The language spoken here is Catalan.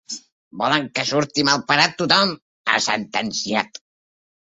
Volen que surti malparat tothom, ha sentenciat.